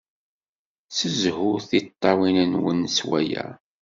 Ssezhut tiṭṭawin-nwen s waya.